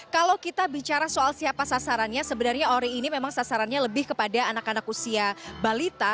kalau kita bicara soal siapa sasarannya sebenarnya ori ini memang sasarannya lebih kepada anak anak usia balita